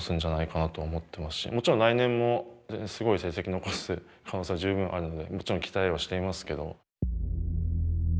もちろん来年もすごい成績残す可能性は十分あるのでもちろん期待はしていますけど。